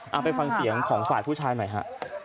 เอาไปฟังเสียงของฝ่ายผู้ชายหน่อยฮะ